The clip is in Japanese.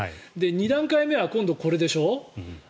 ２段階目は今度、これでしょ。